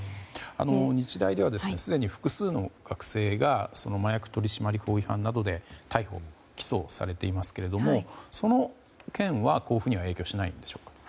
日大ではすでに複数の学生が麻薬取締法違反などで逮捕・起訴されていますがその件は交付には影響しないんでしょうか。